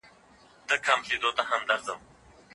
هر څوک باید د خبرو په وخت کي احتیاط وکړي.